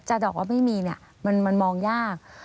บอกว่าไม่มีเนี่ยมันมองยาก